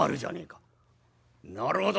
「なるほど。